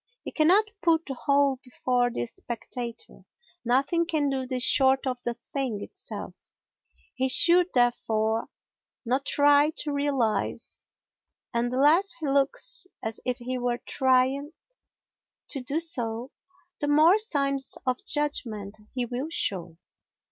He cannot put the whole before the spectator, nothing can do this short of the thing itself; he should, therefore, not try to realise, and the less he looks as if he were trying to do so the more signs of judgment he will show.